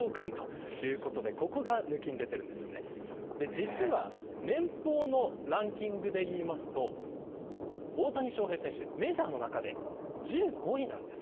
実は年俸のランキングで言うと大谷翔平選手、メジャーの中で１５位なんです。